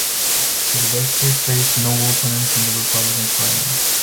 Silvestri faced no opponents in the Republican primary.